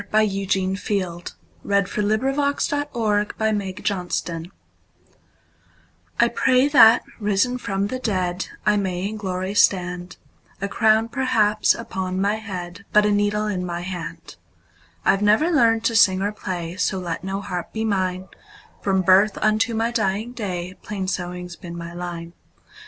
1912. Eugene Field 1850–1895 Eugene Field 230 Grandma's Prayer I PRAY that, risen from the dead,I may in glory stand—A crown, perhaps, upon my head, But a needle in my hand.I 've never learned to sing or play, So let no harp be mine; From birth unto my dying day, Plain sewing 's been my line.